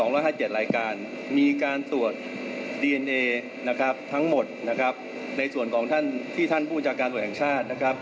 ๒๕๗รายการมีการตรวจดีเนียทั้งหมดในส่วนของท่านที่ท่านพูดจากการตรวจแห่งชาติ